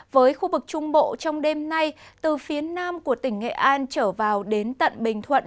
với khu vực trung bộ trong đêm nay từ phía nam của tỉnh nghệ an trở vào đến tận bình thuận